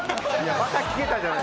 また聞けたじゃない。